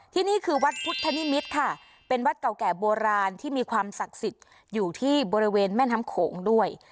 นี่คือวัดพุทธนิมิตรค่ะเป็นวัดเก่าแก่โบราณที่มีความศักดิ์สิทธิ์อยู่ที่บริเวณแม่น้ำโขงด้วย